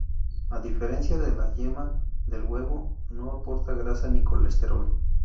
A diferencia de la yema del huevo, no aporta grasa ni colesterol.